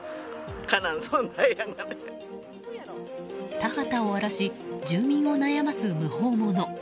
田畑を荒らし住民を悩ます無法者。